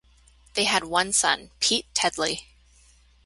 They had one son, Pete Teddlie.